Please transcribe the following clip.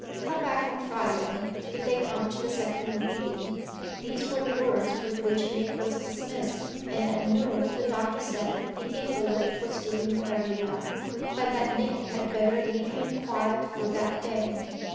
"Come back on Friday if they come to the second reading." These were the words with which Nick was dismissed, and at noon the doctor said the invalid was doing very well, but that Nick had better leave him quiet for that day.